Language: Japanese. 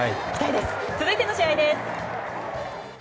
続いての試合です。